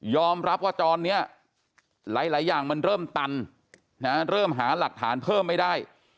รับว่าตอนนี้หลายอย่างมันเริ่มตันเริ่มหาหลักฐานเพิ่มไม่ได้